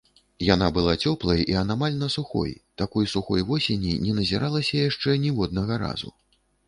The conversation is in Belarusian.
Яна была цёплай і анамальна сухой, такой сухой восені не назіралася яшчэ ніводнага разу.